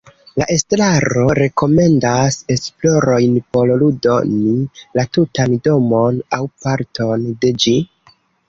La estraro rekomendas esplorojn por ludoni la tutan domon aŭ parton de ĝi.